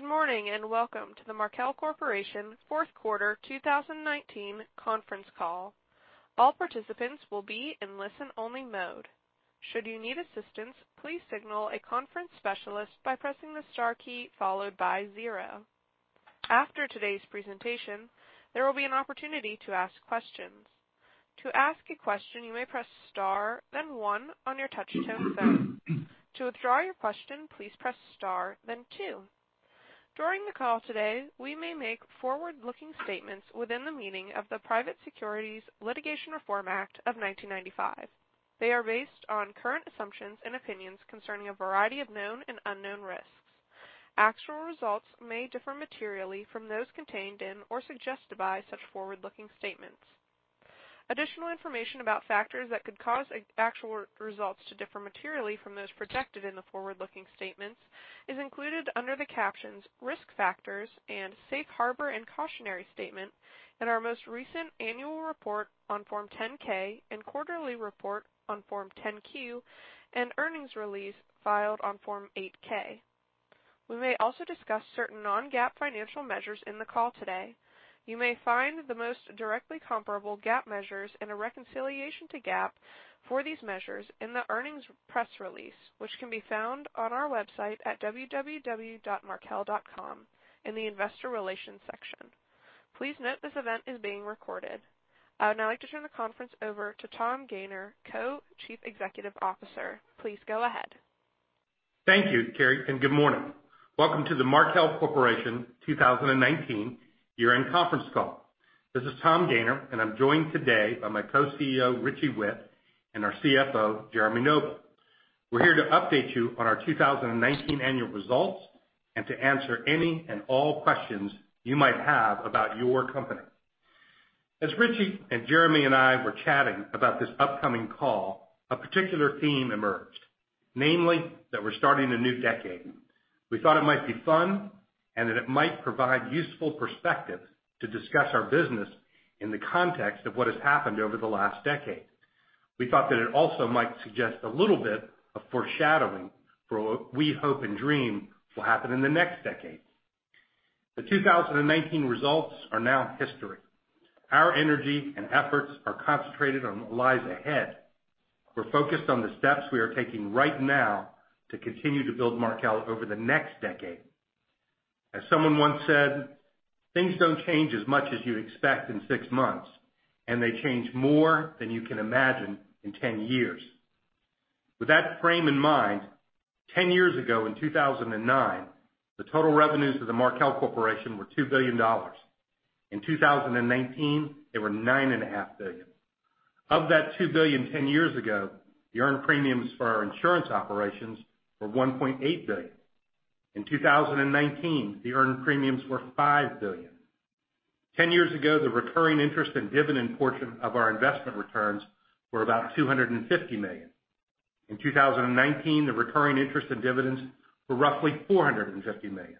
Good morning. Welcome to the Markel Corporation fourth quarter 2019 conference call. All participants will be in listen-only mode. Should you need assistance, please signal a conference specialist by pressing the star key followed by zero. After today's presentation, there will be an opportunity to ask questions. To ask a question, you may press star, then one on your touch-tone phone. To withdraw your question, please press star, then two. During the call today, we may make forward-looking statements within the meaning of the Private Securities Litigation Reform Act of 1995. They are based on current assumptions and opinions concerning a variety of known and unknown risks. Actual results may differ materially from those contained in or suggested by such forward-looking statements. Additional information about factors that could cause actual results to differ materially from those projected in the forward-looking statements is included under the captions "Risk Factors" and "Safe Harbor and Cautionary Statement" in our most recent annual report on Form 10-K and quarterly report on Form 10-Q and earnings release filed on Form 8-K. We may also discuss certain non-GAAP financial measures in the call today. You may find the most directly comparable GAAP measures and a reconciliation to GAAP for these measures in the earnings press release, which can be found on our website at www.markel.com in the investor relations section. Please note this event is being recorded. I would now like to turn the conference over to Tom Gayner, Co-Chief Executive Officer. Please go ahead. Thank you, Carrie, and good morning. Welcome to the Markel Corporation 2019 year-end conference call. This is Tom Gayner, and I'm joined today by my co-CEO, Richie Whitt, and our CFO, Jeremy Noble. We're here to update you on our 2019 annual results and to answer any and all questions you might have about your company. As Richie and Jeremy and I were chatting about this upcoming call, a particular theme emerged. Namely, that we're starting a new decade. We thought it might be fun and that it might provide useful perspective to discuss our business in the context of what has happened over the last decade. We thought that it also might suggest a little bit of foreshadowing for what we hope and dream will happen in the next decade. The 2019 results are now history. Our energy and efforts are concentrated on what lies ahead. We're focused on the steps we are taking right now to continue to build Markel over the next decade. As someone once said, things don't change as much as you'd expect in six months, and they change more than you can imagine in 10 years. With that frame in mind, 10 years ago, in 2009, the total revenues of the Markel Corporation were $2 billion. In 2019, they were $9.5 billion. Of that $2 billion 10 years ago, the earned premiums for our insurance operations were $1.8 billion. In 2019, the earned premiums were $5 billion. 10 years ago, the recurring interest and dividend portion of our investment returns were about $250 million. In 2019, the recurring interest and dividends were roughly $450 million.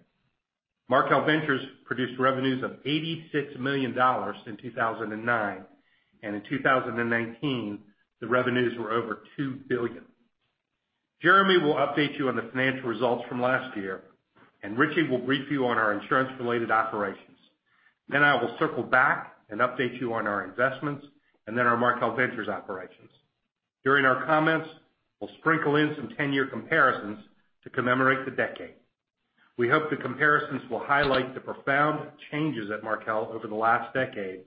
Markel Ventures produced revenues of $86 million in 2009, and in 2019, the revenues were over $2 billion. Jeremy will update you on the financial results from last year, and Richie will brief you on our insurance-related operations. I will circle back and update you on our investments and then our Markel Ventures operations. During our comments, we'll sprinkle in some 10-year comparisons to commemorate the decade. We hope the comparisons will highlight the profound changes at Markel over the last decade,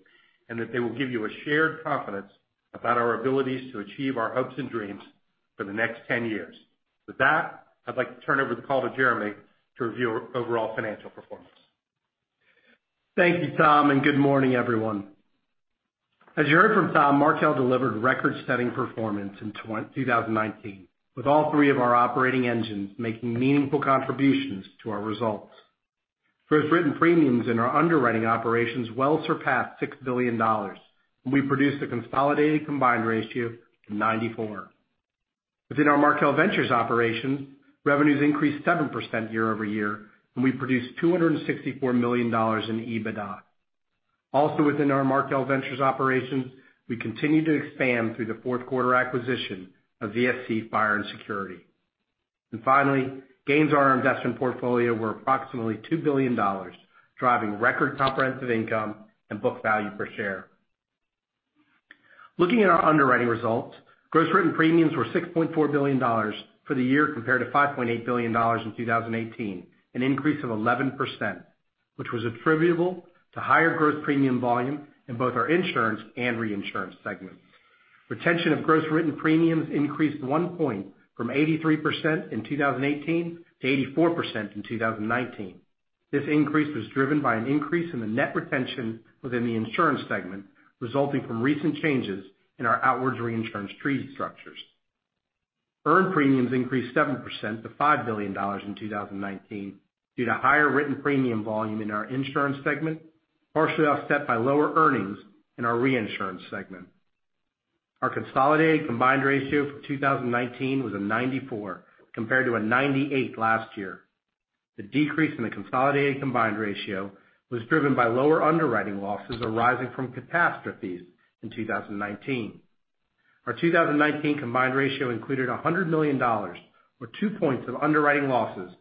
and that they will give you a shared confidence about our abilities to achieve our hopes and dreams for the next 10 years. With that, I'd like to turn over the call to Jeremy to review our overall financial performance. Thank you, Tom, and good morning, everyone. As you heard from Tom, Markel delivered record-setting performance in 2019, with all three of our operating engines making meaningful contributions to our results. Gross written premiums in our underwriting operations well surpassed $6 billion, and we produced a consolidated combined ratio of 94%. Within our Markel Ventures operations, revenues increased 7% year-over-year, and we produced $264 million in EBITDA. Also within our Markel Ventures operations, we continued to expand through the fourth quarter acquisition of VSC Fire & Security. Finally, gains on our investment portfolio were approximately $2 billion, driving record comprehensive income and book value per share. Looking at our underwriting results, gross written premiums were $6.4 billion for the year compared to $5.8 billion in 2018, an increase of 11%, which was attributable to higher growth premium volume in both our insurance and reinsurance segments. Retention of gross written premiums increased one point from 83% in 2018 to 84% in 2019. This increase was driven by an increase in the net retention within the insurance segment, resulting from recent changes in our outwards reinsurance treaty structures. Earned premiums increased 7% to $5 billion in 2019 due to higher written premium volume in our insurance segment, partially offset by lower earnings in our reinsurance segment. Our consolidated combined ratio for 2019 was a 94, compared to a 98 last year. The decrease in the consolidated combined ratio was driven by lower underwriting losses arising from catastrophes in 2019. Our 2019 combined ratio included $100 million or two points of underwriting losses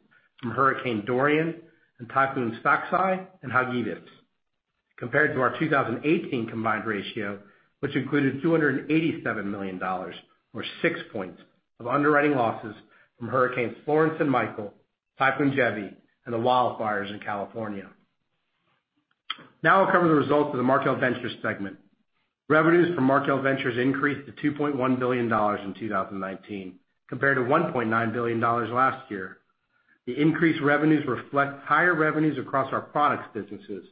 from Hurricane Dorian and Typhoon Faxai and Hagibis, compared to our 2018 combined ratio, which included $287 million or six points of underwriting losses from Hurricanes Florence and Michael, Typhoon Jebi, and the wildfires in California. Now I'll cover the results of the Markel Ventures segment. Revenues from Markel Ventures increased to $2.1 billion in 2019 compared to $1.9 billion last year. The increased revenues reflect higher revenues across our products businesses,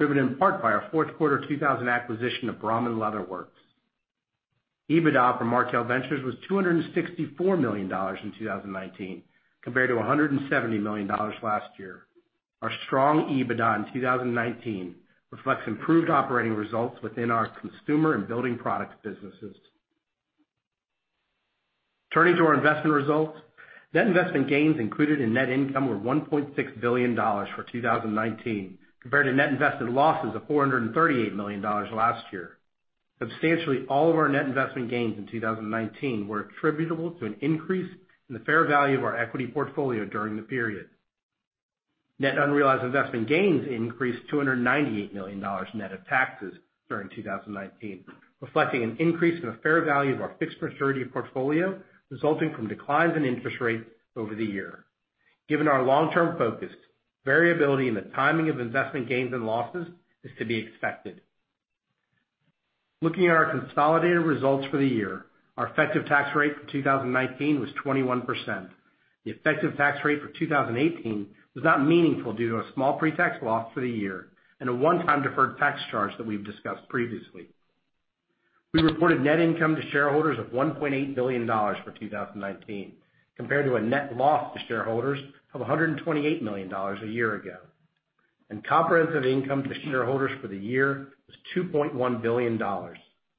driven in part by our fourth quarter 2000 acquisition of Brahmin Leather Works. EBITDA from Markel Ventures was $264 million in 2019 compared to $170 million last year. Our strong EBITDA in 2019 reflects improved operating results within our consumer and building products businesses. Turning to our investment results. Net investment gains included in net income were $1.6 billion for 2019 compared to net investment losses of $438 million last year. Substantially all of our net investment gains in 2019 were attributable to an increase in the fair value of our equity portfolio during the period. Net unrealized investment gains increased $298 million net of taxes during 2019, reflecting an increase in the fair value of our fixed maturity portfolio resulting from declines in interest rates over the year. Given our long-term focus, variability in the timing of investment gains and losses is to be expected. Looking at our consolidated results for the year, our effective tax rate for 2019 was 21%. The effective tax rate for 2018 was not meaningful due to a small pre-tax loss for the year and a one-time deferred tax charge that we've discussed previously. We reported net income to shareholders of $1.8 billion for 2019, compared to a net loss to shareholders of $128 million a year ago. Comprehensive income to shareholders for the year was $2.1 billion,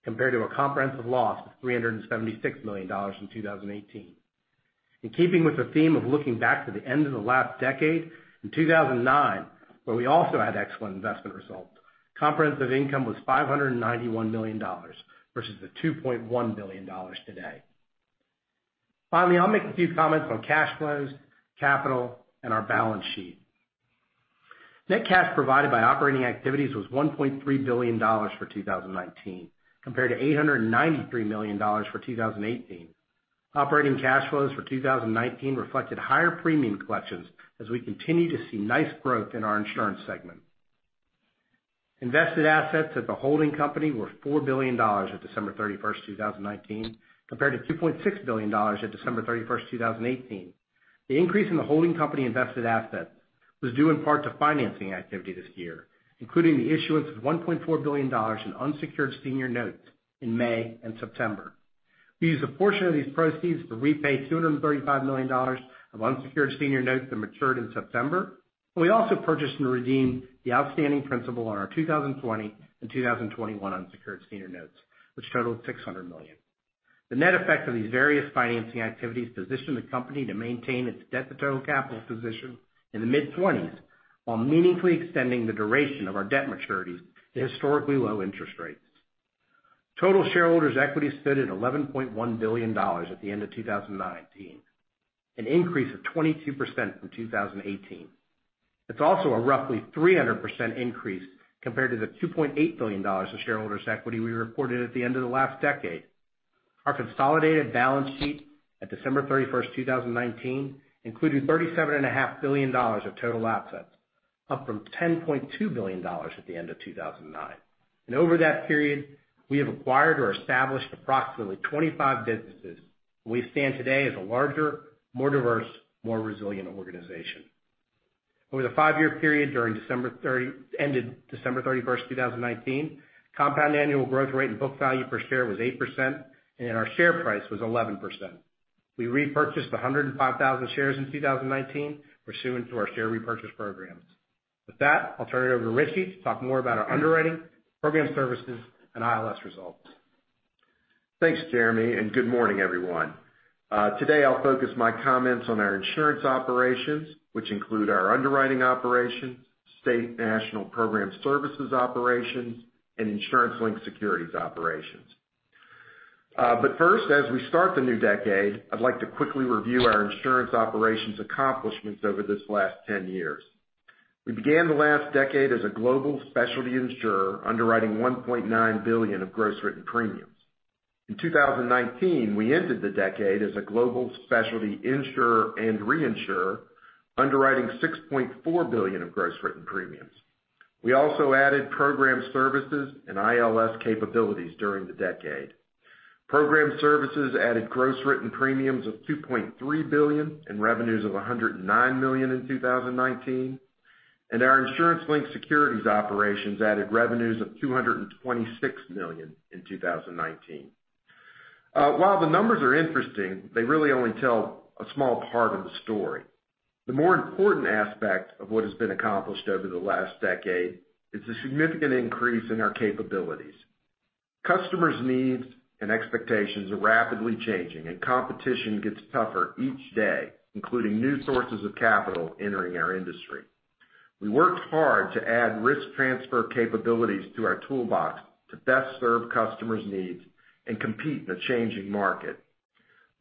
compared to a comprehensive loss of $376 million in 2018. In keeping with the theme of looking back to the end of the last decade, in 2009, where we also had excellent investment results, comprehensive income was $591 million versus the $2.1 billion today. Finally, I'll make a few comments on cash flows, capital, and our balance sheet. Net cash provided by operating activities was $1.3 billion for 2019 compared to $893 million for 2018. Operating cash flows for 2019 reflected higher premium collections as we continue to see nice growth in our insurance segment. Invested assets at the holding company were $4 billion of December 31st, 2019 compared to $2.6 billion at December 31st, 2018. The increase in the holding company invested assets was due in part to financing activity this year, including the issuance of $1.4 billion in unsecured senior notes in May and September. We used a portion of these proceeds to repay $235 million of unsecured senior notes that matured in September. We also purchased and redeemed the outstanding principal on our 2020 and 2021 unsecured senior notes, which totaled $600 million. The net effect of these various financing activities position the company to maintain its debt to total capital position in the mid-20s, while meaningfully extending the duration of our debt maturities to historically low interest rates. Total shareholders' equity stood at $11.1 billion at the end of 2019, an increase of 22% from 2018. It is also a roughly 300% increase compared to the $2.8 billion of shareholders' equity we reported at the end of the last decade. Our consolidated balance sheet at December 31st, 2019, included $37.5 billion of total assets, up from $10.2 billion at the end of 2009. Over that period, we have acquired or established approximately 25 businesses, and we stand today as a larger, more diverse, more resilient organization. Over the five-year period ended December 31st, 2019, compound annual growth rate and book value per share was 8% and our share price was 11%. We repurchased 105,000 shares in 2019 pursuant to our share repurchase programs. I'll turn it over to Richie to talk more about our underwriting, program services, and ILS results. Thanks, Jeremy, and good morning, everyone. Today I'll focus my comments on our Insurance Operations, which include our Underwriting Operations, State National Program Services Operations, and Insurance-Linked Securities Operations. First, as we start the new decade, I'd like to quickly review our Insurance Operations accomplishments over these last 10 years. We began the last decade as a global specialty insurer underwriting $1.9 billion of gross written premiums. In 2019, we ended the decade as a global specialty insurer and reinsurer underwriting $6.4 billion of gross written premiums. We also added Program Services and ILS capabilities during the decade. Program Services added gross written premiums of $2.3 billion and revenues of $109 million in 2019. Our Insurance-Linked Securities Operations added revenues of $226 million in 2019. While the numbers are interesting, they really only tell a small part of the story. The more important aspect of what has been accomplished over the last decade is the significant increase in our capabilities. Customers' needs and expectations are rapidly changing. Competition gets tougher each day, including new sources of capital entering our industry. We worked hard to add risk transfer capabilities to our toolbox to best serve customers' needs and compete in a changing market.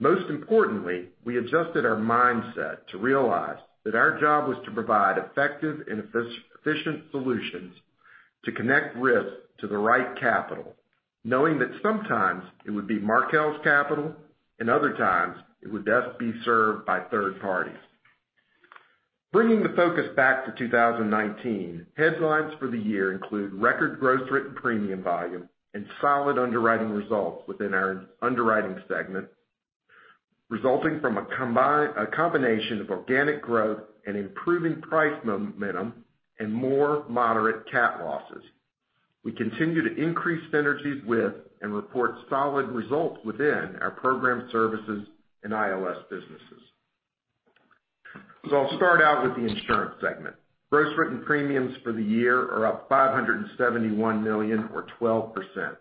Most importantly, we adjusted our mindset to realize that our job was to provide effective and efficient solutions to connect risks to the right capital, knowing that sometimes it would be Markel's capital. Other times it would best be served by third parties. Bringing the focus back to 2019, headlines for the year include record gross written premium volume and solid underwriting results within our underwriting segment, resulting from a combination of organic growth and improving price momentum and more moderate cat losses. We continue to increase synergies with, and report solid results within, our program services and ILS businesses. I'll start out with the Insurance segment. Gross written premiums for the year are up $571 million or 12%.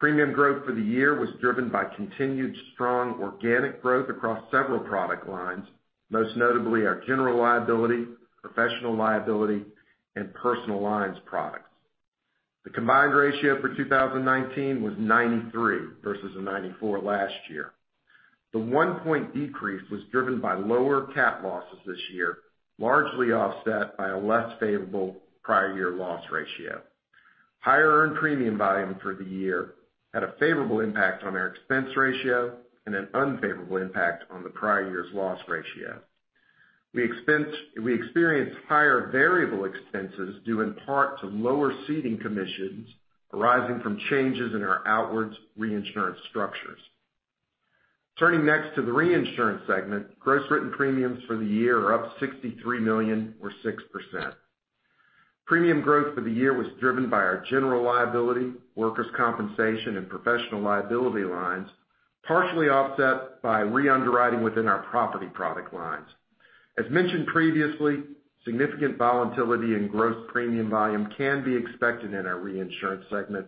Premium growth for the year was driven by continued strong organic growth across several product lines, most notably our general liability, professional liability and personal lines products. The combined ratio for 2019 was 93 versus a 94 last year. The one point decrease was driven by lower cat losses this year, largely offset by a less favorable prior year loss ratio. Higher earned premium volume for the year had a favorable impact on our expense ratio and an unfavorable impact on the prior year's loss ratio. We experienced higher variable expenses due in part to lower ceding commissions arising from changes in our outwards reinsurance structures. Turning next to the reinsurance segment, gross written premiums for the year are up $63 million or 6%. Premium growth for the year was driven by our general liability, workers' compensation and professional liability lines, partially offset by re-underwriting within our property product lines. As mentioned previously, significant volatility in gross premium volume can be expected in our reinsurance segment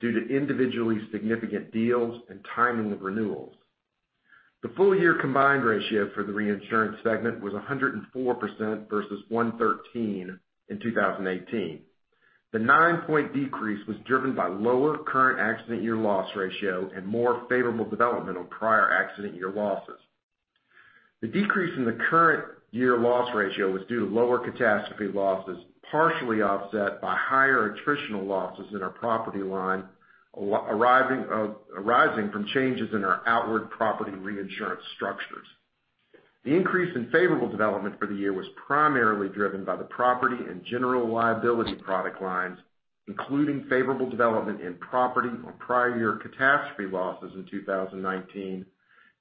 due to individually significant deals and timing of renewals. The full year combined ratio for the reinsurance segment was 104% versus 113% in 2018. The nine point decrease was driven by lower current accident year loss ratio and more favorable development on prior accident year losses. The decrease in the current year loss ratio was due to lower catastrophe losses, partially offset by higher attritional losses in our property line, arising from changes in our outward property reinsurance structures. The increase in favorable development for the year was primarily driven by the property and general liability product lines, including favorable development in property on prior year catastrophe losses in 2019,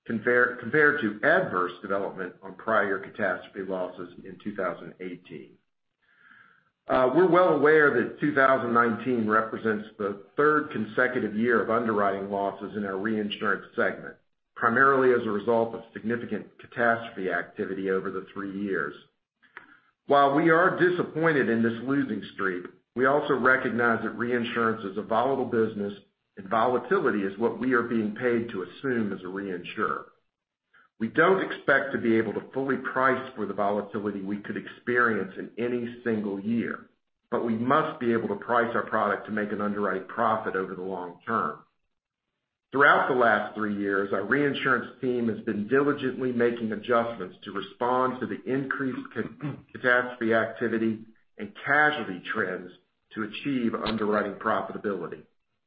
compared to adverse development on prior catastrophe losses in 2018. We're well aware that 2019 represents the third consecutive year of underwriting losses in our reinsurance segment, primarily as a result of significant catastrophe activity over the three years. While we are disappointed in this losing streak, we also recognize that reinsurance is a volatile business, and volatility is what we are being paid to assume as a reinsurer. We don't expect to be able to fully price for the volatility we could experience in any single year, but we must be able to price our product to make an underwriting profit over the long term. Throughout the last three years, our reinsurance team has been diligently making adjustments to respond to the increased catastrophe activity and casualty trends to achieve underwriting profitability.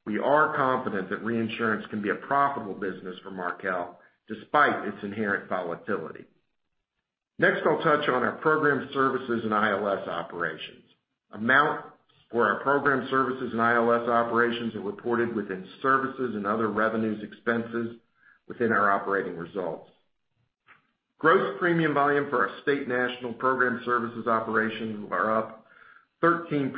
We are confident that reinsurance can be a profitable business for Markel despite its inherent volatility. Next, I'll touch on our program services and ILS operations. Amounts for our program services and ILS operations are reported within services and other revenues expenses within our operating results. Gross premium volume for our State National program services operations are up 13%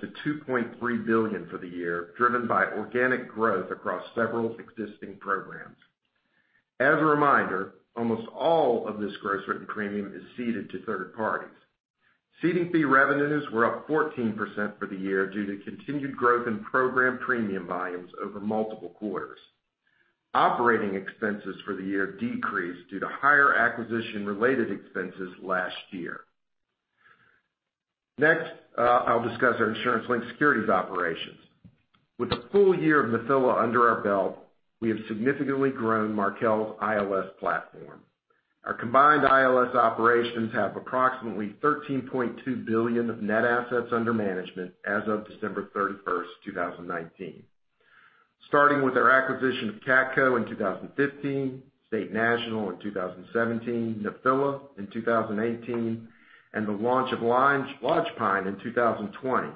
to $2.3 billion for the year, driven by organic growth across several existing programs. As a reminder, almost all of this gross written premium is ceded to third parties. Ceding fee revenues were up 14% for the year due to continued growth in program premium volumes over multiple quarters. Operating expenses for the year decreased due to higher acquisition-related expenses last year. Next, I'll discuss our insurance-linked securities operations. With a full year of Nephila under our belt, we have significantly grown Markel's ILS platform. Our combined ILS operations have approximately $13.2 billion of net assets under management as of December 31, 2019. Starting with our acquisition of CATCo in 2015, State National in 2017, Nephila in 2018, and the launch of Lodgepine in 2020,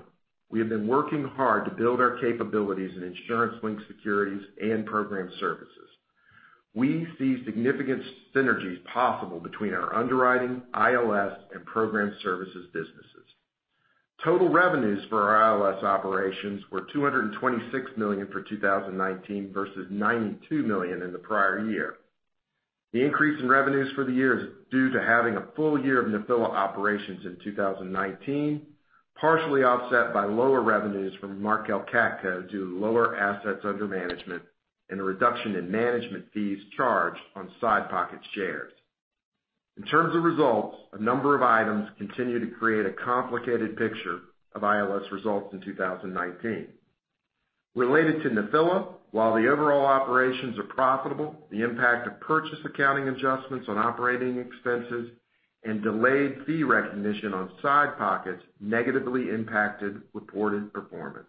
we have been working hard to build our capabilities in insurance-linked securities and program services. We see significant synergies possible between our underwriting, ILS and program services businesses. Total revenues for our ILS operations were $226 million for 2019 versus $92 million in the prior year. The increase in revenues for the year is due to having a full year of Nephila operations in 2019. Partially offset by lower revenues from Markel CATCo due to lower assets under management and a reduction in management fees charged on side pocket shares. In terms of results, a number of items continue to create a complicated picture of ILS results in 2019. Related to Nephila, while the overall operations are profitable, the impact of purchase accounting adjustments on operating expenses and delayed fee recognition on side pockets negatively impacted reported performance.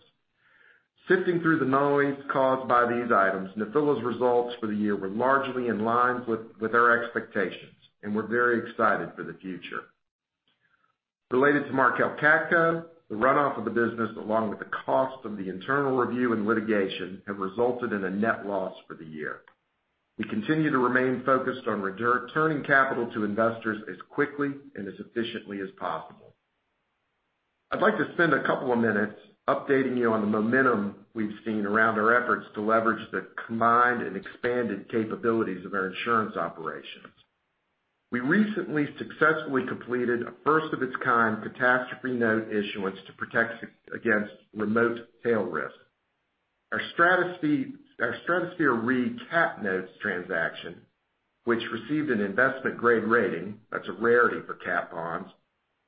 Sifting through the noise caused by these items, Nephila's results for the year were largely in line with our expectations, and we're very excited for the future. Related to Markel CATCo, the runoff of the business, along with the cost of the internal review and litigation, have resulted in a net loss for the year. We continue to remain focused on returning capital to investors as quickly and as efficiently as possible. I'd like to spend a couple of minutes updating you on the momentum we've seen around our efforts to leverage the combined and expanded capabilities of our insurance operations. We recently successfully completed a first-of-its-kind catastrophe note issuance to protect against remote tail risk. Our Stratosphere Re cat notes transaction, which received an investment-grade rating, that's a rarity for cat bonds,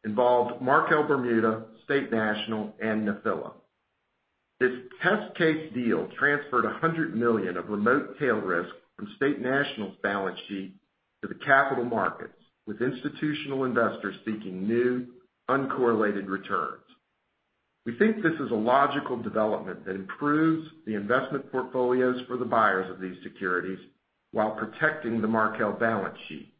involved Markel Bermuda, State National, and Nephila. This test case deal transferred $100 million of remote tail risk from State National's balance sheet to the capital markets, with institutional investors seeking new, uncorrelated returns. We think this is a logical development that improves the investment portfolios for the buyers of these securities while protecting the Markel balance sheet.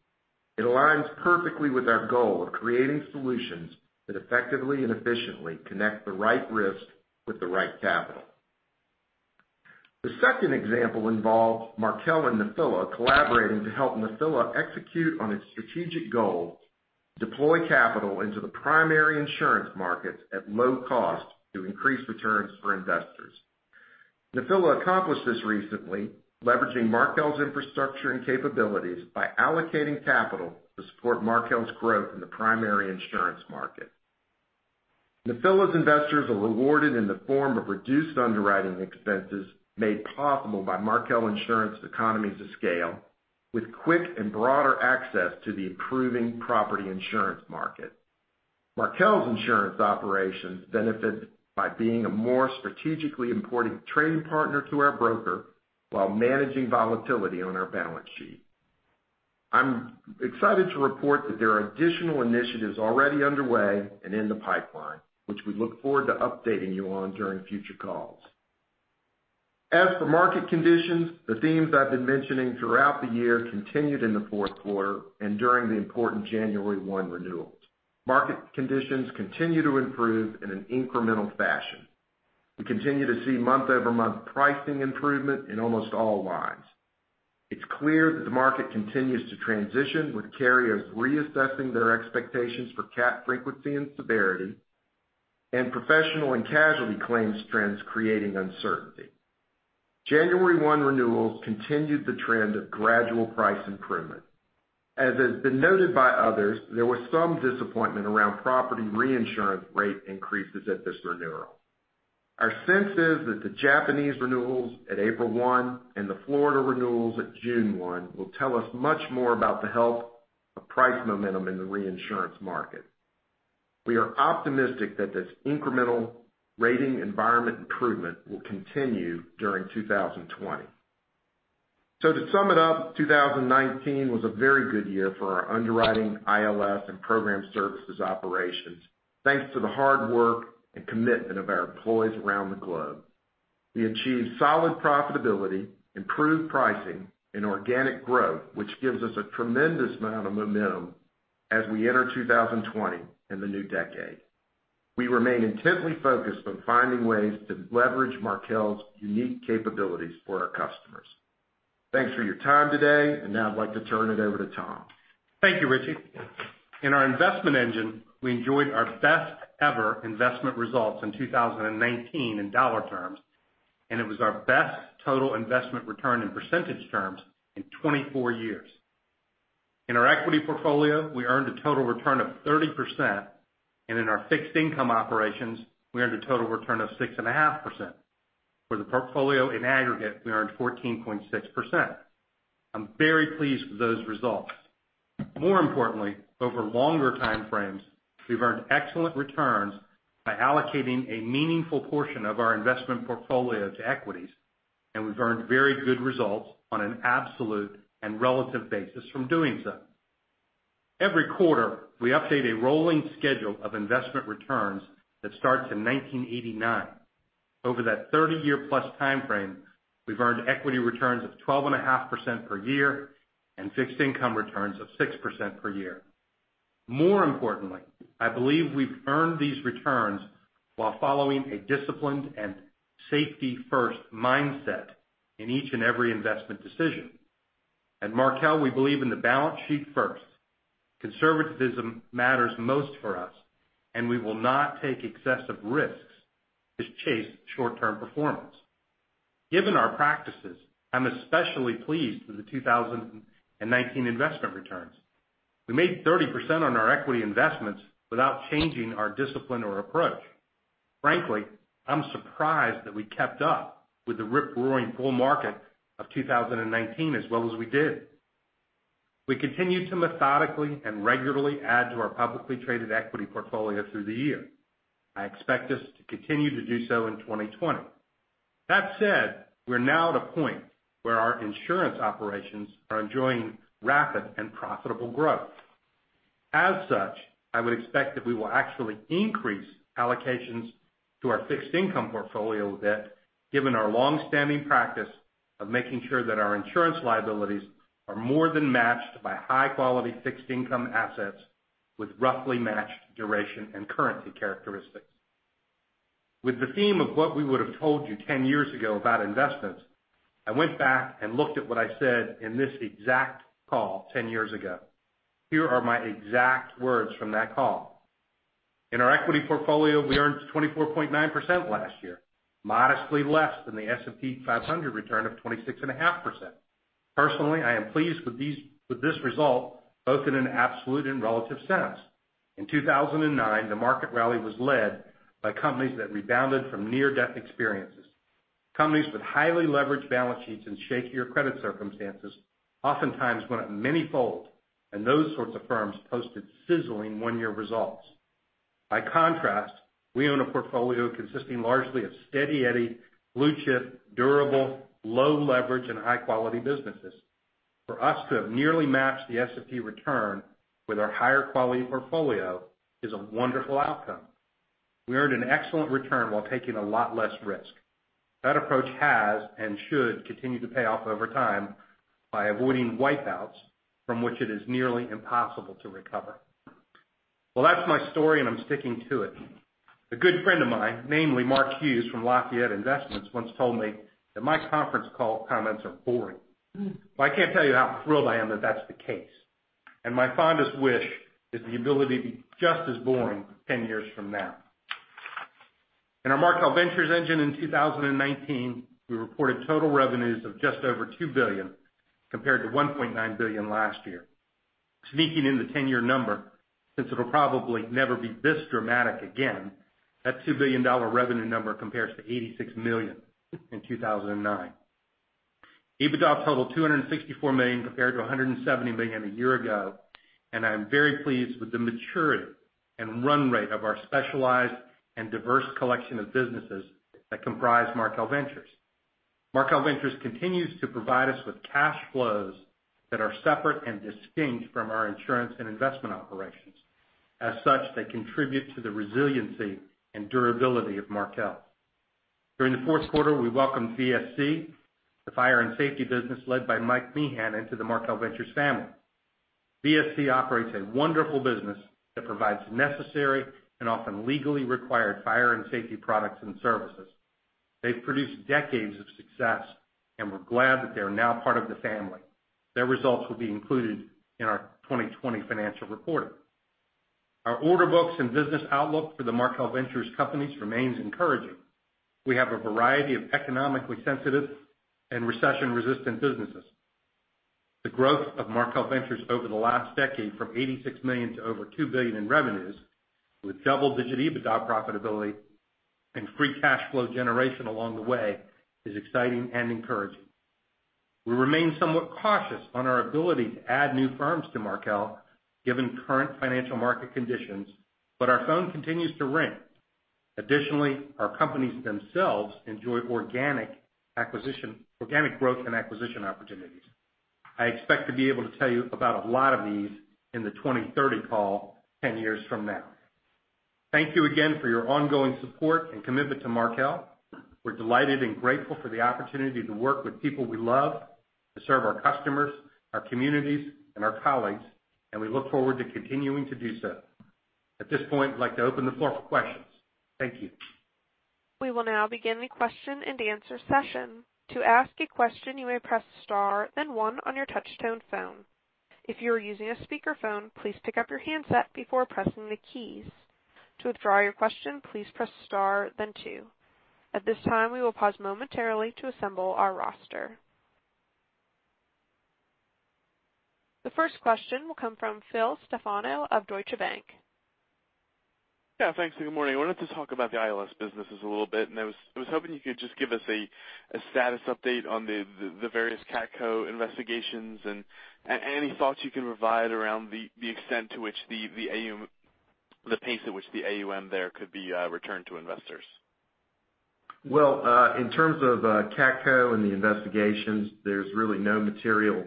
It aligns perfectly with our goal of creating solutions that effectively and efficiently connect the right risk with the right capital. The second example involved Markel and Nephila collaborating to help Nephila execute on its strategic goal to deploy capital into the primary insurance markets at low cost to increase returns for investors. Nephila accomplished this recently, leveraging Markel's infrastructure and capabilities by allocating capital to support Markel's growth in the primary insurance market. Nephila's investors are rewarded in the form of reduced underwriting expenses made possible by Markel Insurance economies of scale, with quick and broader access to the improving property insurance market. Markel's insurance operations benefit by being a more strategically important trading partner to our broker while managing volatility on our balance sheet. I'm excited to report that there are additional initiatives already underway and in the pipeline, which we look forward to updating you on during future calls. As for market conditions, the themes I've been mentioning throughout the year continued in the fourth quarter and during the important January 1 renewals. Market conditions continue to improve in an incremental fashion. We continue to see month-over-month pricing improvement in almost all lines. It's clear that the market continues to transition, with carriers reassessing their expectations for cat frequency and severity, and professional and casualty claims trends creating uncertainty. January 1 renewals continued the trend of gradual price improvement. As has been noted by others, there was some disappointment around property reinsurance rate increases at this renewal. Our sense is that the Japanese renewals at April 1 and the Florida renewals at June 1 will tell us much more about the health of price momentum in the reinsurance market. We are optimistic that this incremental rating environment improvement will continue during 2020. To sum it up, 2019 was a very good year for our underwriting ILS and program services operations, thanks to the hard work and commitment of our employees around the globe. We achieved solid profitability, improved pricing, and organic growth, which gives us a tremendous amount of momentum as we enter 2020 and the new decade. We remain intently focused on finding ways to leverage Markel's unique capabilities for our customers. Thanks for your time today. Now I'd like to turn it over to Tom. Thank you, Richie. In our investment engine, we enjoyed our best ever investment results in 2019 in dollar terms, and it was our best total investment return in percentage terms in 24 years. In our equity portfolio, we earned a total return of 30%, and in our fixed income operations, we earned a total return of 6.5%. For the portfolio in aggregate, we earned 14.6%. I'm very pleased with those results. More importantly, over longer time frames, we've earned excellent returns by allocating a meaningful portion of our investment portfolio to equities, and we've earned very good results on an absolute and relative basis from doing so. Every quarter, we update a rolling schedule of investment returns that starts in 1989. Over that 30-year plus time frame, we've earned equity returns of 12.5% per year and fixed income returns of 6% per year. More importantly, I believe we've earned these returns while following a disciplined and safety-first mindset in each and every investment decision. At Markel, we believe in the balance sheet first. Conservatism matters most for us, and we will not take excessive risks to chase short-term performance. Given our practices, I'm especially pleased with the 2019 investment returns. We made 30% on our equity investments without changing our discipline or approach. Frankly, I'm surprised that we kept up with the rip-roaring bull market of 2019 as well as we did. We continue to methodically and regularly add to our publicly traded equity portfolio through the year. I expect us to continue to do so in 2020. That said, we are now at a point where our insurance operations are enjoying rapid and profitable growth. As such, I would expect that we will actually increase allocations to our fixed income portfolio a bit, given our longstanding practice of making sure that our insurance liabilities are more than matched by high-quality fixed income assets with roughly matched duration and currency characteristics. With the theme of what we would've told you 10 years ago about investments, I went back and looked at what I said in this exact call 10 years ago. Here are my exact words from that call. In our equity portfolio, we earned 24.9% last year, modestly less than the S&P 500 return of 26.5%. Personally, I am pleased with this result both in an absolute and relative sense. In 2009, the market rally was led by companies that rebounded from near-death experiences. Companies with highly leveraged balance sheets and shakier credit circumstances oftentimes went up manyfold, and those sorts of firms posted sizzling one-year results. By contrast, we own a portfolio consisting largely of steady Eddie, blue-chip, durable, low leverage, and high-quality businesses. For us to have nearly matched the S&P return with our higher quality portfolio is a wonderful outcome. We earned an excellent return while taking a lot less risk. That approach has and should continue to pay off over time by avoiding wipeouts from which it is nearly impossible to recover. Well, that's my story, and I'm sticking to it. A good friend of mine, namely Mark Hughes from Lafayette Investments, once told me that my conference call comments are boring. Well, I can't tell you how thrilled I am that that's the case. My fondest wish is the ability to be just as boring 10 years from now. In our Markel Ventures engine in 2019, we reported total revenues of just over $2 billion, compared to $1.9 billion last year. Sneaking in the 10-year number, since it'll probably never be this dramatic again, that $2 billion revenue number compares to $86 million in 2009. EBITDA totaled $264 million, compared to $170 million a year ago, and I am very pleased with the maturity and run rate of our specialized and diverse collection of businesses that comprise Markel Ventures. Markel Ventures continues to provide us with cash flows that are separate and distinct from our insurance and investment operations. As such, they contribute to the resiliency and durability of Markel. During the fourth quarter, we welcomed VSC, the fire and safety business led by Mike Heaton, into the Markel Ventures family. VSC operates a wonderful business that provides necessary and often legally required fire and safety products and services. They've produced decades of success, and we're glad that they are now part of the family. Their results will be included in our 2020 financial reporting. Our order books and business outlook for the Markel Ventures companies remains encouraging. We have a variety of economically sensitive and recession-resistant businesses. The growth of Markel Ventures over the last decade, from $86 million to over $2 billion in revenues, with double-digit EBITDA profitability and free cash flow generation along the way, is exciting and encouraging. We remain somewhat cautious on our ability to add new firms to Markel, given current financial market conditions, but our phone continues to ring. Additionally, our companies themselves enjoy organic growth and acquisition opportunities. I expect to be able to tell you about a lot of these in the 2030 call 10 years from now. Thank you again for your ongoing support and commitment to Markel. We're delighted and grateful for the opportunity to work with people we love, to serve our customers, our communities, and our colleagues, and we look forward to continuing to do so. At this point, I'd like to open the floor for questions. Thank you. We will now begin the question and answer session. To ask a question, you may press star, then one on your touchtone phone. If you are using a speakerphone, please pick up your handset before pressing the keys. To withdraw your question, please press star, then two. At this time, we will pause momentarily to assemble our roster. The first question will come from Phil Stefano of Deutsche Bank. Yeah, thanks. Good morning. I wanted to talk about the ILS businesses a little bit, and I was hoping you could just give us a status update on the various CATCo investigations, and any thoughts you can provide around the pace at which the AUM there could be returned to investors. In terms of CATCo and the investigations, there's really no material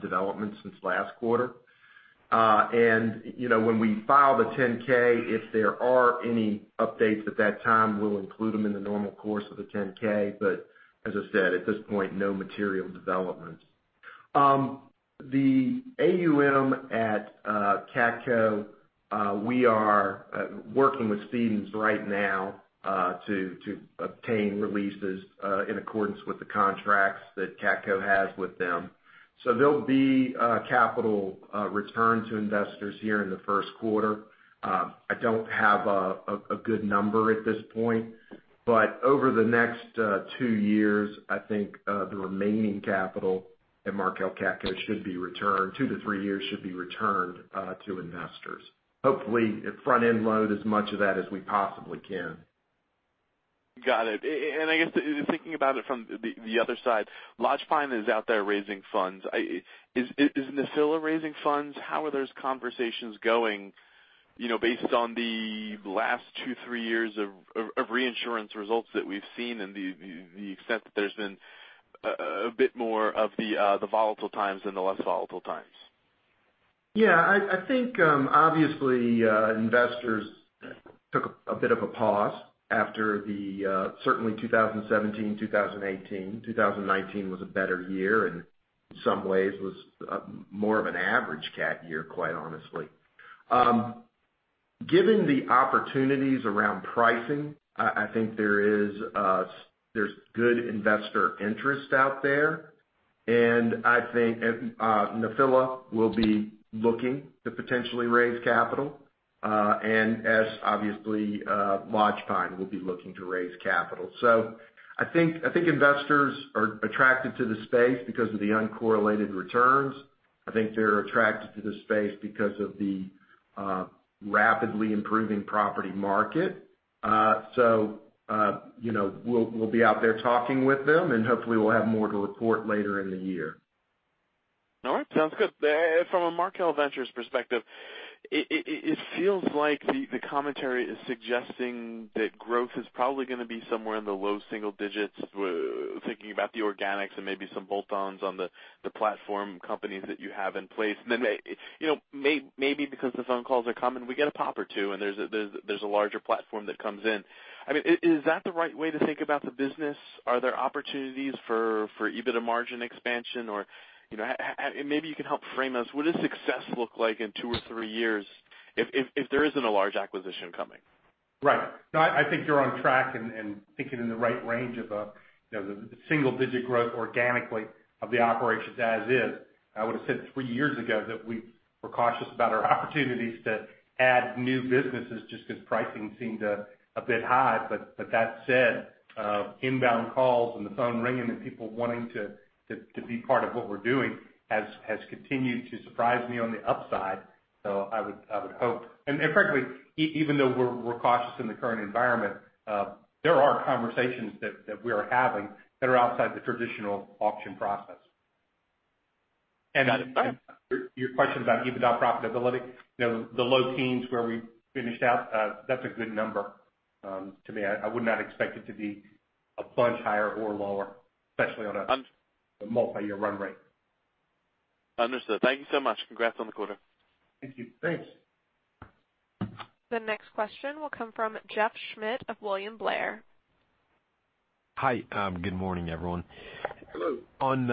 development since last quarter. When we file the 10-K, if there are any updates at that time, we'll include them in the normal course of the 10-K. As I said, at this point, no material developments. The AUM at CATCo We are working with Stevens right now to obtain releases in accordance with the contracts that CATCo has with them. There'll be a capital return to investors here in the first quarter. I don't have a good number at this point, but over the next two years, I think the remaining capital at Markel CATCo should be returned, two to three years should be returned to investors. Hopefully, front-end load as much of that as we possibly can. Got it. I guess, thinking about it from the other side, Lodgepine is out there raising funds. Is Nephila raising funds? How are those conversations going based on the last two, three years of reinsurance results that we've seen and the extent that there's been a bit more of the volatile times than the less volatile times? Yeah. I think, obviously, investors took a bit of a pause after certainly 2017, 2018. 2019 was a better year, in some ways was more of an average cat year, quite honestly. Given the opportunities around pricing, I think there's good investor interest out there, and I think Nephila will be looking to potentially raise capital, and as obviously Lodgepine will be looking to raise capital. I think investors are attracted to the space because of the uncorrelated returns. I think they're attracted to the space because of the rapidly improving property market. We'll be out there talking with them and hopefully we'll have more to report later in the year. All right. Sounds good. From a Markel Ventures perspective, it feels like the commentary is suggesting that growth is probably going to be somewhere in the low single digits, thinking about the organics and maybe some bolt-ons on the platform companies that you have in place. Maybe because the phone calls are coming, we get a pop or two, and there's a larger platform that comes in. Is that the right way to think about the business? Are there opportunities for EBITDA margin expansion? Maybe you can help frame us. What does success look like in two or three years if there isn't a large acquisition coming? Right. No, I think you're on track and thinking in the right range of the single-digit growth organically of the operations as is. I would've said three years ago that we were cautious about our opportunities to add new businesses just because pricing seemed a bit high. That said, inbound calls and the phone ringing and people wanting to be part of what we're doing has continued to surprise me on the upside. I would hope. Frankly, even though we're cautious in the current environment, there are conversations that we are having that are outside the traditional auction process. Your question about EBITDA profitability, the low teens where we finished out, that's a good number. To me, I would not expect it to be a bunch higher or lower, especially on a multi-year run rate. Understood. Thank you so much. Congrats on the quarter. Thank you. Thanks. The next question will come from Jeff Schmitt of William Blair. Hi, good morning, everyone. Hello. On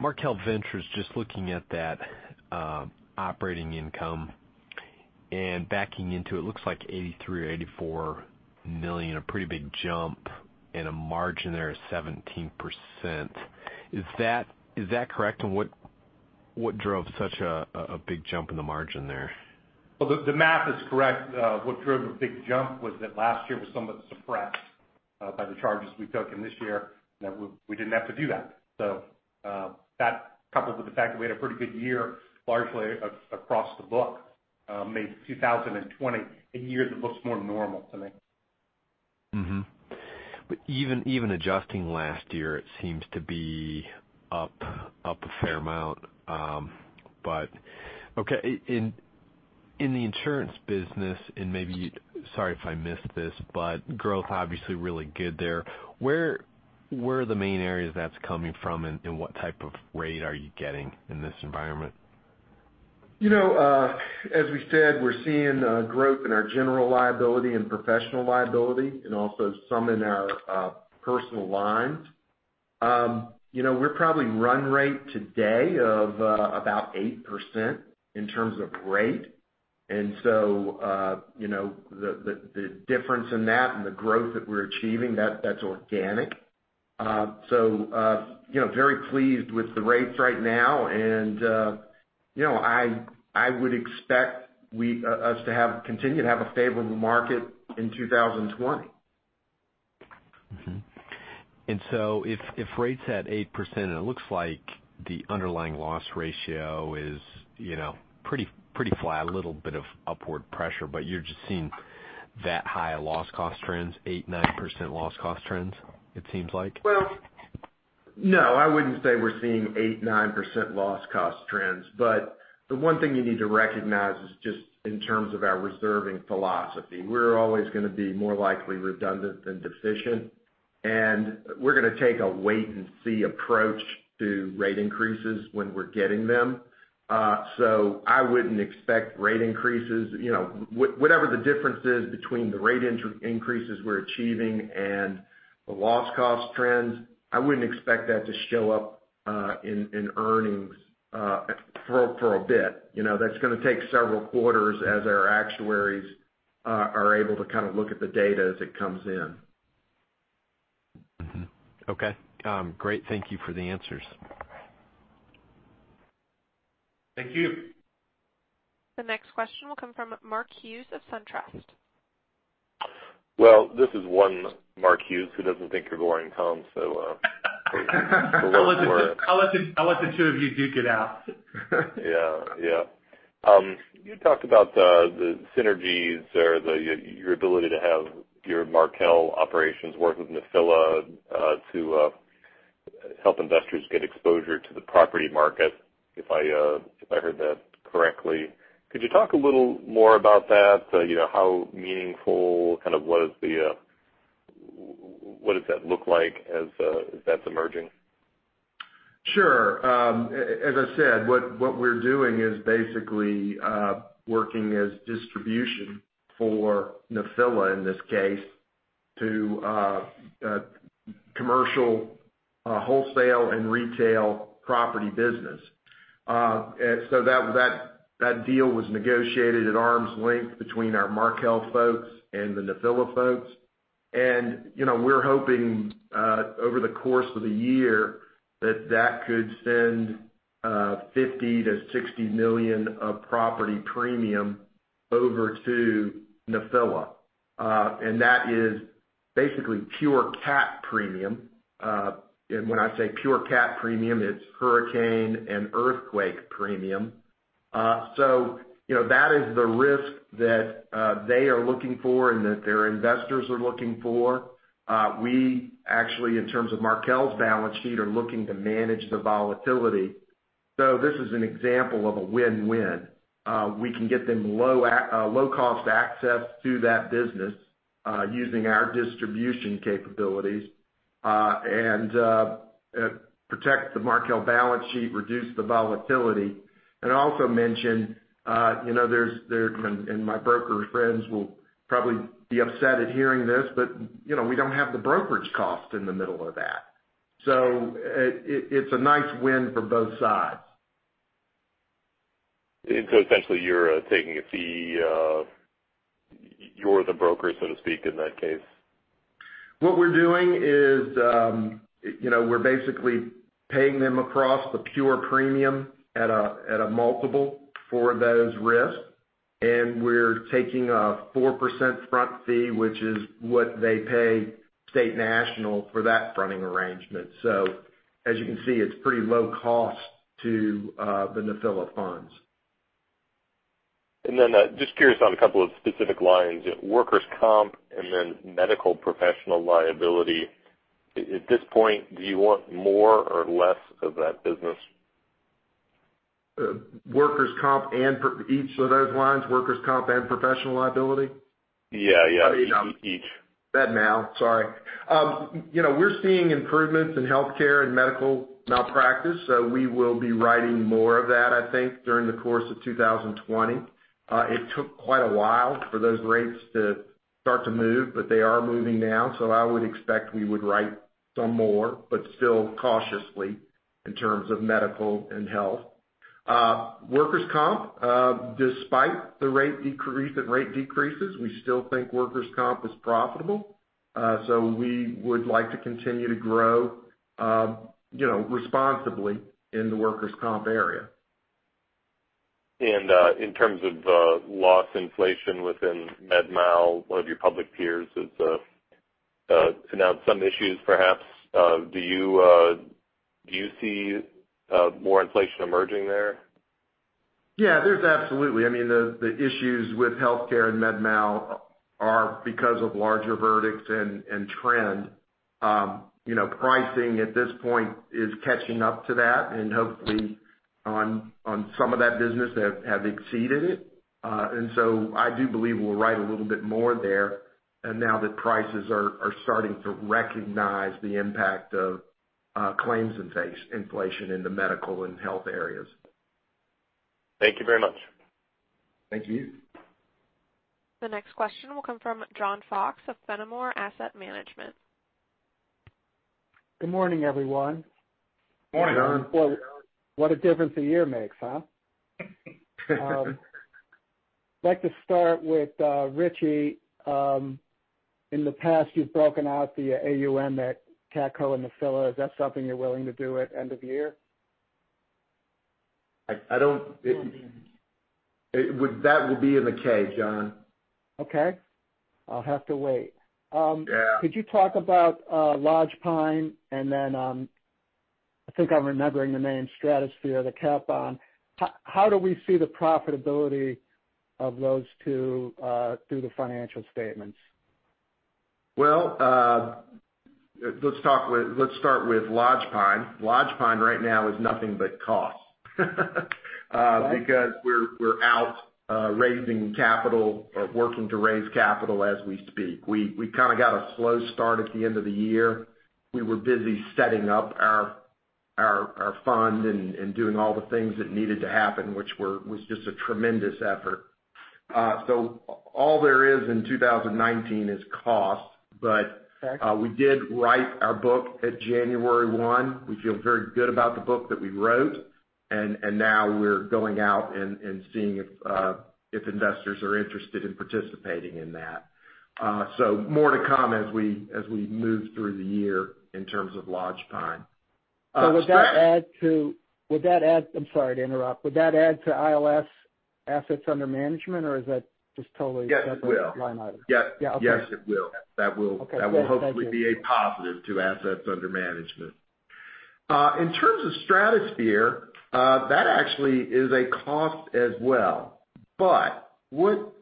Markel Ventures, just looking at that operating income and backing into it, looks like $83 million or $84 million, a pretty big jump, and a margin there of 17%. Is that correct? What drove such a big jump in the margin there? Well, the math is correct. What drove a big jump was that last year was somewhat suppressed by the charges we took, and this year, we didn't have to do that. That, coupled with the fact that we had a pretty good year, largely across the book, made 2020 a year that looks more normal to me. Even adjusting last year, it seems to be up a fair amount. Okay, in the insurance business, and maybe sorry if I missed this, but growth obviously really good there. Where are the main areas that's coming from and what type of rate are you getting in this environment? As we said, we're seeing growth in our general liability and professional liability, and also some in our personal lines. We're probably run rate today of about 8% in terms of rate, and so the difference in that and the growth that we're achieving, that's organic. Very pleased with the rates right now, and I would expect us to continue to have a favorable market in 2020. If rates at 8%, and it looks like the underlying loss ratio is pretty flat, a little bit of upward pressure, but you're just seeing that high a loss cost trends, 8%-9% loss cost trends, it seems like? No, I wouldn't say we're seeing 8%-9% loss cost trends, but the one thing you need to recognize is just in terms of our reserving philosophy. We're always going to be more likely redundant than deficient, and we're going to take a wait and see approach to rate increases when we're getting them. I wouldn't expect rate increases. Whatever the difference is between the rate increases we're achieving and the loss cost trends, I wouldn't expect that to show up in earnings for a bit. That's going to take several quarters as our actuaries are able to look at the data as it comes in. Mm-hmm. Okay. Great. Thank you for the answers. Thank you. The next question will come from Mark Hughes of SunTrust. Well, this is one Mark Hughes who doesn't think you're going to come. I'll let the two of you duke it out. Yeah. You talked about the synergies or your ability to have your Markel operations work with Nephila to help investors get exposure to the property market, if I heard that correctly. Could you talk a little more about that? How meaningful, what does that look like as that's emerging? Sure. As I said, what we're doing is basically working as distribution for Nephila, in this case, to commercial, wholesale, and retail property business. That deal was negotiated at arm's length between our Markel folks and the Nephila folks. We're hoping, over the course of the year, that that could send $50 million-$60 million of property premium over to Nephila. That is basically pure cat premium. When I say pure cat premium, it's hurricane and earthquake premium. That is the risk that they are looking for and that their investors are looking for. We actually, in terms of Markel's balance sheet, are looking to manage the volatility. This is an example of a win-win. We can get them low cost access to that business using our distribution capabilities, and protect the Markel balance sheet, reduce the volatility, and also mention, and my broker friends will probably be upset at hearing this, but we don't have the brokerage cost in the middle of that. It's a nice win for both sides. Essentially, you're taking a fee, you're the broker, so to speak, in that case. What we're doing is, we're basically paying them across the pure premium at a multiple for those risks. We're taking a 4% front fee, which is what they pay State National for that fronting arrangement. As you can see, it's pretty low cost to the Nephila funds. Just curious on a couple of specific lines, workers' comp and then medical professional liability. At this point, do you want more or less of that business? Each of those lines, workers' comp and professional liability? Yeah. Each. Medmal, sorry. We're seeing improvements in healthcare and medical malpractice, so we will be writing more of that, I think, during the course of 2020. It took quite a while for those rates to start to move, but they are moving now. I would expect we would write some more, but still cautiously in terms of medical and health. Workers' comp, despite the rate decreases, we still think workers' comp is profitable. We would like to continue to grow responsibly in the workers' comp area. In terms of loss inflation within medmal, one of your public peers has announced some issues, perhaps. Do you see more inflation emerging there? There's absolutely. I mean, the issues with healthcare and medmal are because of larger verdicts and trend. Pricing at this point is catching up to that and hopefully on some of that business have exceeded it. I do believe we'll write a little bit more there. Now that prices are starting to recognize the impact of claims inflation in the medical and health areas. Thank you very much. Thank you. The next question will come from John Fox of Fenimore Asset Management. Good morning, everyone. Morning, John. What a difference a year makes, huh? I'd like to start with Richie. In the past, you've broken out the AUM at CATCo and Nephila. Is that something you're willing to do at end of year? That will be in the K, John. Okay. I'll have to wait. Yeah. Could you talk about Lodgepine and then, I think I'm remembering the name, Stratosphere, the cat bond? How do we see the profitability of those two through the financial statements? Let's start with Lodgepine. Lodgepine right now is nothing but costs. We're out raising capital or working to raise capital as we speak. We kind of got a slow start at the end of the year. We were busy setting up our fund and doing all the things that needed to happen, which was just a tremendous effort. All there is in 2019 is cost. Okay. We did write our book at January 1. We feel very good about the book that we wrote, and now we're going out and seeing if investors are interested in participating in that. More to come as we move through the year in terms of Lodgepine. I'm sorry to interrupt. Would that add to ILS assets under management, or is that just? Yes, it will. A separate line item? Yes. Yeah. Okay. Yes, it will. Okay. That will hopefully be a positive to assets under management. In terms of Stratosphere, that actually is a cost as well. What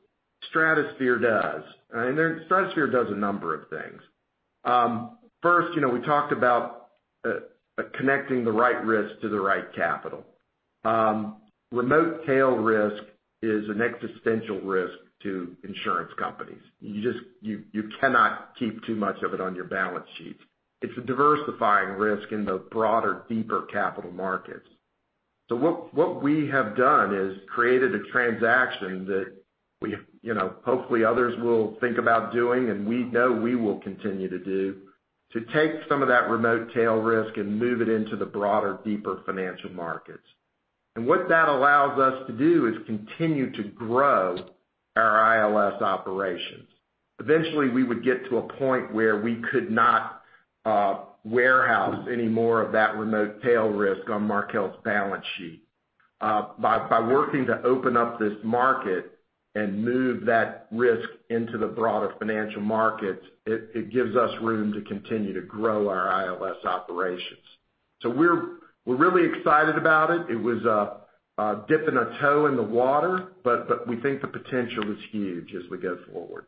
Stratosphere does, and Stratosphere does a number of things. First, we talked about connecting the right risk to the right capital. Remote tail risk is an existential risk to insurance companies. You cannot keep too much of it on your balance sheets. It's a diversifying risk in the broader, deeper capital markets. What we have done is created a transaction that hopefully others will think about doing, and we know we will continue to do, to take some of that remote tail risk and move it into the broader, deeper financial markets. What that allows us to do is continue to grow our ILS operations. Eventually, we would get to a point where we could not warehouse any more of that remote tail risk on Markel's balance sheet. By working to open up this market and move that risk into the broader financial markets, it gives us room to continue to grow our ILS operations. We're really excited about it. It was a dip in a toe in the water, but we think the potential is huge as we go forward.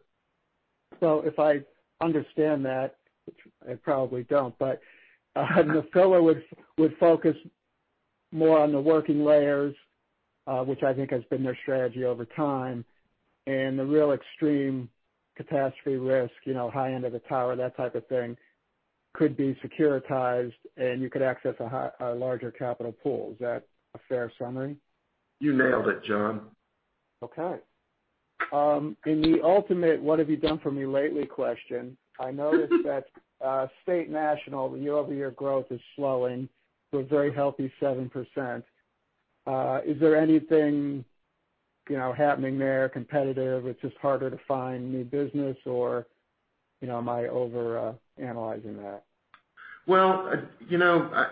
If I understand that, which I probably don't, but Nephila would focus more on the working layers, which I think has been their strategy over time. The real extreme catastrophe risk, high end of the tower, that type of thing, could be securitized, and you could access a larger capital pool. Is that a fair summary? You nailed it, John. Okay. In the ultimate, what have you done for me lately question, I noticed that State National, the year-over-year growth is slowing to a very healthy 7%. Is there anything happening there competitive? It's just harder to find new business, or am I over-analyzing that? Well,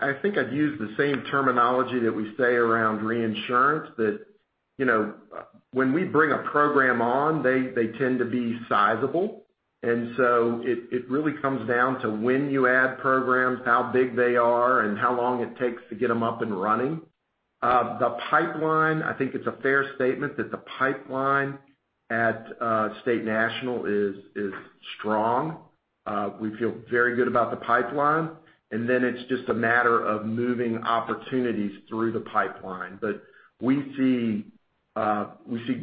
I think I'd use the same terminology that we say around reinsurance that when we bring a program on, they tend to be sizable. It really comes down to when you add programs, how big they are, and how long it takes to get them up and running. The pipeline, I think it's a fair statement that the pipeline at State National is strong. We feel very good about the pipeline, it's just a matter of moving opportunities through the pipeline. We see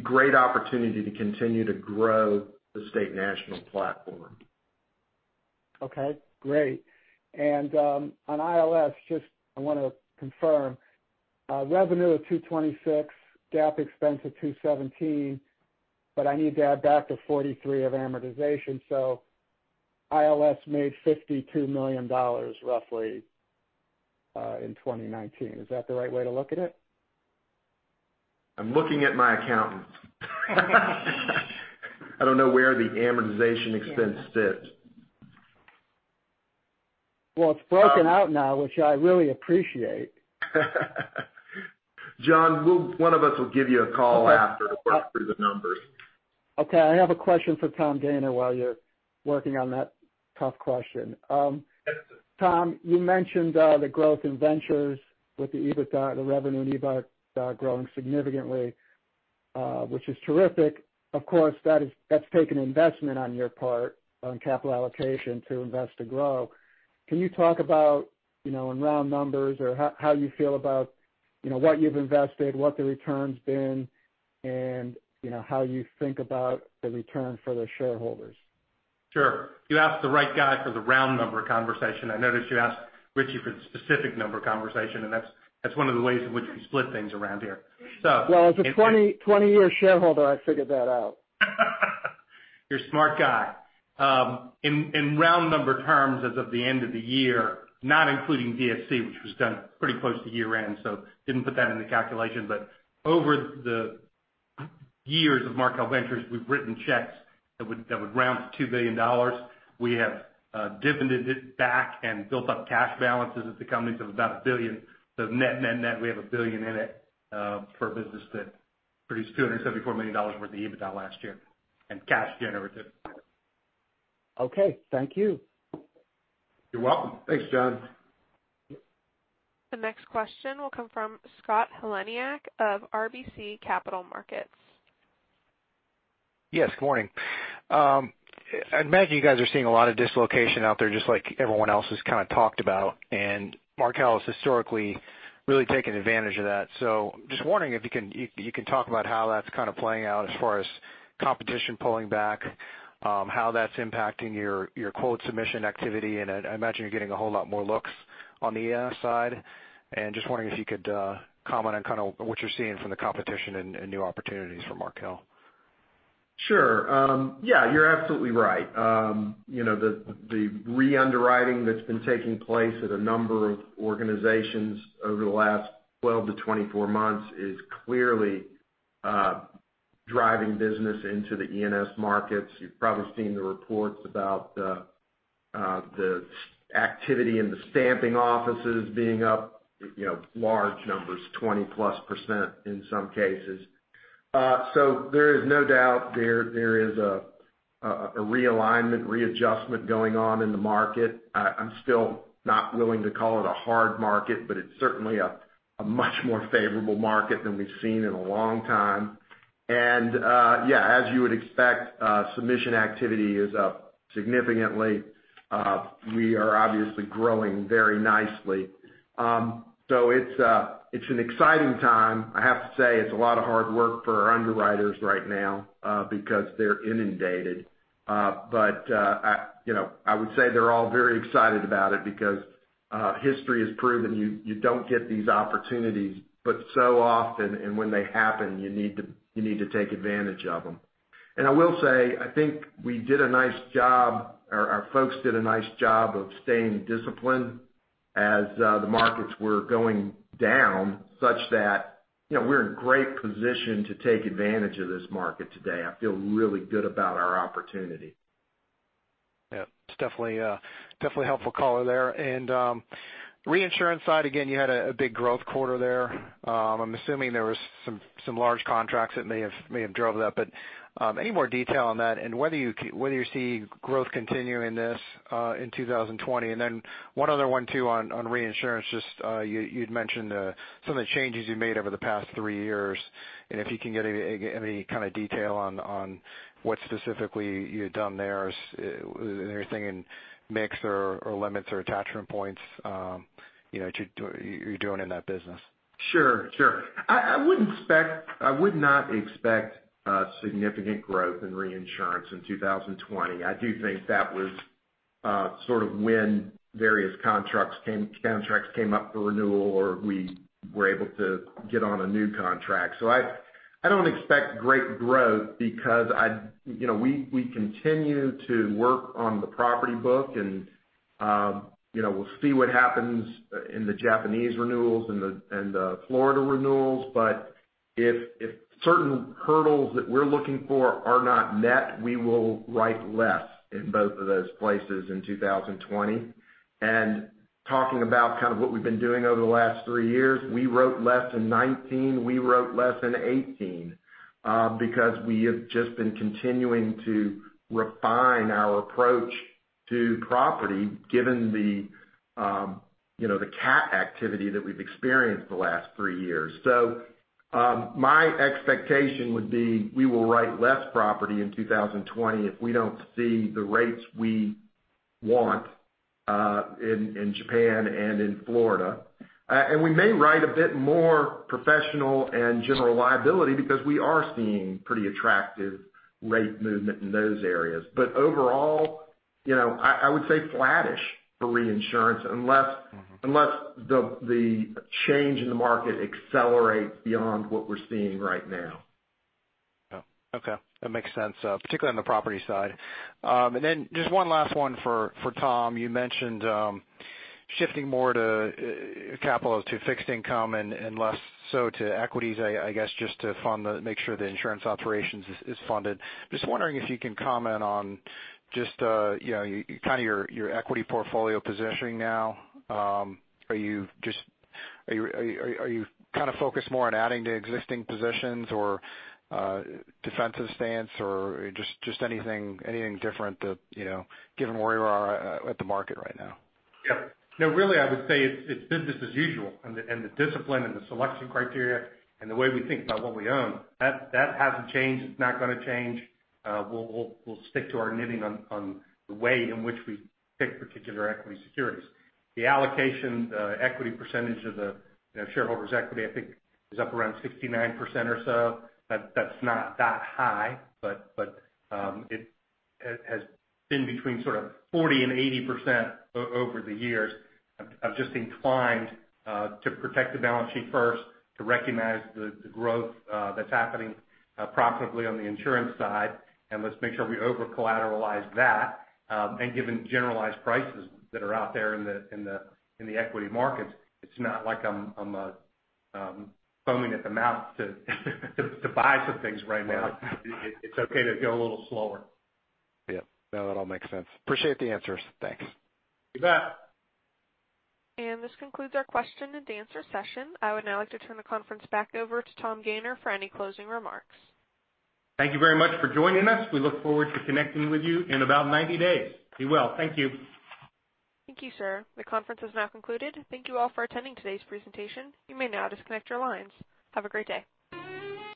great opportunity to continue to grow the State National platform. Okay, great. On ILS, just I want to confirm. Revenue of $226, GAAP expense of $217, but I need to add back the $43 of amortization. ILS made $52 million roughly, in 2019. Is that the right way to look at it? I'm looking at my accountant. I don't know where the amortization expense sits. Well, it's broken out now, which I really appreciate. John, one of us will give you a call after to work through the numbers. Okay. I have a question for Tom Gayner while you're working on that tough question. Yes, sir. Tom, you mentioned the growth in Ventures with the EBITDA, the revenue and EBITDA growing significantly, which is terrific. Of course, that's taken investment on your part on capital allocation to invest to grow. Can you talk about in round numbers or how you feel about what you've invested, what the return's been, and how you think about the return for the shareholders? Sure. You asked the right guy for the round number conversation. I noticed you asked Richie for the specific number conversation. That's one of the ways in which we split things around here. Well, as a 20-year shareholder, I figured that out. You're a smart guy. In round number terms as of the end of the year, not including VSC, which was done pretty close to year-end. Didn't put that in the calculation. Over the years of Markel Ventures, we've written checks that would round to $2 billion. We have dividend it back and built up cash balances at the companies of about $1 billion. Net, net, we have $1 billion in it, for a business that produced $274 million worth of EBITDA last year and cash generative. Okay. Thank you. You're welcome. Thanks, John. The next question will come from Scott Heleniak of RBC Capital Markets. Yes, good morning. I imagine you guys are seeing a lot of dislocation out there, just like everyone else has kind of talked about. Markel has historically really taken advantage of that. Just wondering if you can talk about how that's kind of playing out as far as competition pulling back. How that's impacting your quote submission activity. I imagine you're getting a whole lot more looks on the E&S side. Just wondering if you could comment on kind of what you're seeing from the competition and new opportunities for Markel. Sure. Yeah, you're absolutely right. The re-underwriting that's been taking place at a number of organizations over the last 12 to 24 months is clearly driving business into the E&S markets. You've probably seen the reports about the activity in the stamping offices being up large numbers, 20%-plus in some cases. There is no doubt there is a realignment, readjustment going on in the market. I'm still not willing to call it a hard market, it's certainly a much more favorable market than we've seen in a long time. Yeah, as you would expect, submission activity is up significantly. We are obviously growing very nicely. It's an exciting time. I have to say, it's a lot of hard work for our underwriters right now, because they're inundated. I would say they're all very excited about it because history has proven you don't get these opportunities but so often, and when they happen, you need to take advantage of them. I will say, I think we did a nice job, our folks did a nice job of staying disciplined as the markets were going down, such that we're in great position to take advantage of this market today. I feel really good about our opportunity. Yeah. It's definitely a helpful call there. Reinsurance side, again, you had a big growth quarter there. I'm assuming there was some large contracts that may have drove that. Any more detail on that and whether you see growth continuing this in 2020? One other one too on reinsurance, just you'd mentioned some of the changes you made over the past three years, and if you can get any kind of detail on what specifically you had done there. Anything in mix or limits or attachment points you're doing in that business? Sure. I would not expect significant growth in reinsurance in 2020. I do think that was sort of when various contracts came up for renewal, or we were able to get on a new contract. I don't expect great growth because we continue to work on the property book and we'll see what happens in the Japanese renewals and the Florida renewals. If certain hurdles that we're looking for are not met, we will write less in both of those places in 2020. Talking about kind of what we've been doing over the last three years, we wrote less in 2019, we wrote less in 2018, because we have just been continuing to refine our approach to property, given the cat activity that we've experienced the last three years. My expectation would be we will write less property in 2020 if we don't see the rates we want in Japan and in Florida. We may write a bit more professional and general liability because we are seeing pretty attractive rate movement in those areas. Overall, I would say flattish for reinsurance, unless the change in the market accelerates beyond what we're seeing right now. Oh, okay. That makes sense, particularly on the property side. Just one last one for Tom. You mentioned shifting more to capital to fixed income and less so to equities, I guess just to make sure the insurance operations is funded. Just wondering if you can comment on just kind of your equity portfolio positioning now, are you kind of focused more on adding to existing positions, or defensive stance or just anything different, given where we are at the market right now? Yep. No, really I would say it's business as usual, and the discipline and the selection criteria and the way we think about what we own, that hasn't changed. It's not going to change. We'll stick to our knitting on the way in which we pick particular equity securities. The allocation, the equity percentage of the shareholders' equity, I think is up around 69% or so. That's not that high, but it has been between sort of 40% and 80% over the years. I'm just inclined to protect the balance sheet first, to recognize the growth that's happening profitably on the insurance side, and let's make sure we over-collateralize that. Given generalized prices that are out there in the equity markets, it's not like I'm foaming at the mouth to buy some things right now. It's okay to go a little slower. Yep. No, that all makes sense. Appreciate the answers. Thanks. You bet. This concludes our question and answer session. I would now like to turn the conference back over to Tom Gayner for any closing remarks. Thank you very much for joining us. We look forward to connecting with you in about 90 days. Be well. Thank you. Thank you, sir. The conference is now concluded. Thank you all for attending today's presentation. You may now disconnect your lines. Have a great day.